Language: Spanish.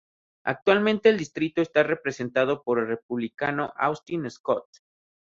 Actualmente el distrito está representado por el Republicano Austin Scott.